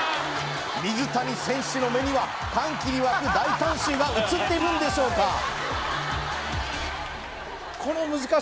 水谷選手の目には歓喜にわく大観衆が映っているんでしょうか？